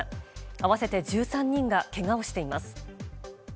合わせて１３人がけがをしています。